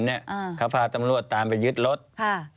แล้วเขาสร้างเองว่าห้ามเข้าใกล้ลูก